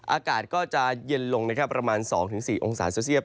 อากาศก็จะเย็นลงประมาณ๒๔องศาเซลเซียต